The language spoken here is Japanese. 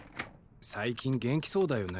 最近元気そうだよね。